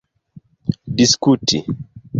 diskuti